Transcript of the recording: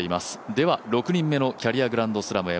では、６人目のキャリアグランドスラムへ。